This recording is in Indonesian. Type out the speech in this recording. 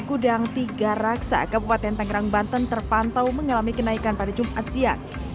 gudang tiga raksa kabupaten tangerang banten terpantau mengalami kenaikan pada jumat siang